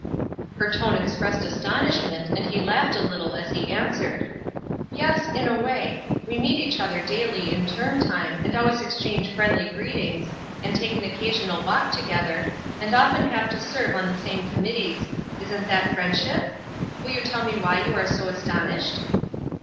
Her tone expressed astonishment, and he laughed a little as he answered: — "Yes, in a way. We meet each other daily in term time and always exchange friendly greetings, and take an occasional walk together, and often have to serve on the same committees; isn't that friendship? Will you tell me why you are so astonished?"